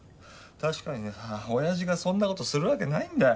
確かにねおやじがそんな事するわけないんだよ。